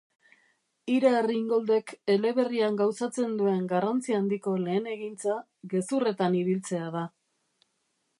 IRA Ringoldek eleberrian gauzatzen duen garrantzi handiko lehen egintza gezurretan ibiltzea da.